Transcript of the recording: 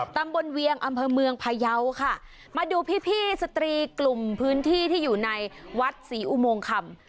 ตำบลเวียงอำเภอเมืองพยาวค่ะมาดูพี่พี่สตรีกลุ่มพื้นที่ที่อยู่ในวัดศรีอุโมงคำ